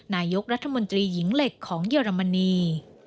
นายกรัฐมนตรีหญิงเหล็กของเยอรมนี